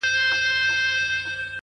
چا له دم چا له دوا د رنځ شفا سي-